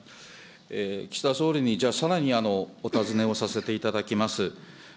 岸田総理にじゃあ、さらにお尋ねをさせていただきます。